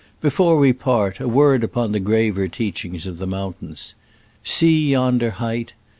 Before we part, a word upon the graver teachings of the moun tains. See yonder height!